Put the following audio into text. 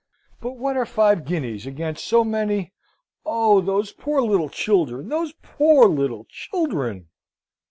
But what are five guineas amongst so many Oh, those poor little children! those poor little children!"